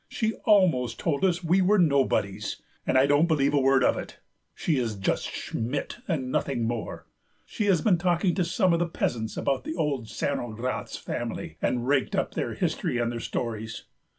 She almost told us we were nobodies, and I don't believe a word of it. She is just Schmidt and nothing more. She has been talking to some of the peasants about the old Cernogratz family, and raked up their history and their stories."